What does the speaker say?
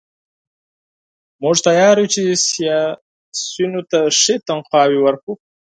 موږ تیار یو چې سیاسیونو ته ښې تنخواوې ورکړو.